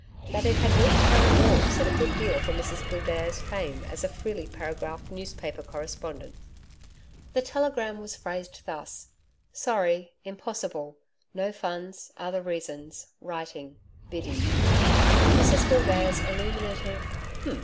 That it had reached her at all, said a good deal for Mrs Gildea's fame as a freely paragraphed newspaper correspondent. The telegram was phrased thus: SORRY IMPOSSIBLE NO FUNDS OTHER REASONS WRITING BIDDY Mrs Gildea's illuminative 'H'm!'